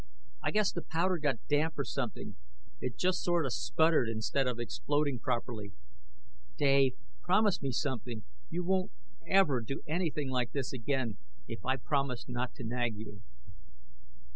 I guess the powder got damp or something. It just sort of sputtered instead of exploding properly. Dave, promise me something! You won't ever do anything like this again, if I promise not to nag you?"